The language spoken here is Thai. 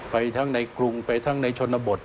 ไปทั้งในกรุงไปทั้งในชนบท